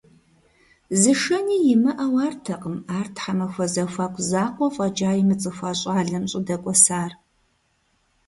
Зышэни имыӏэу артэкъым ар тхьэмахуэ зэхуаку закъуэ фӏэкӏа имыцӏыхуа щӏалэм щӏыдэкӏуэсар.